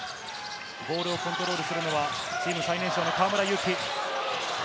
ボールをコントロールするのはチーム最年少の河村勇輝。